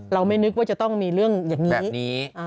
เราไม่นึกว่าจะต้องมีเรื่องอย่างนี้แบบนี้